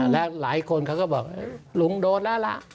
แล้วหลายคนเขาก็บอกลุงโดนแล้วล่ะ